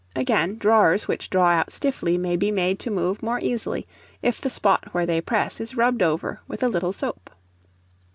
Again, drawers which draw out stiffly may be made to move more easily if the spot where they press is rubbed over with a little soap.